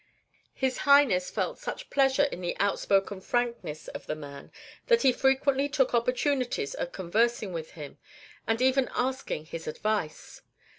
His Highness felt such pleasure in the outspoken frankness of the man that he frequently took opportunities of conversing with him, and even asking his advice.